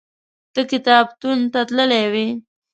ته کتابتون ته تللی وې؟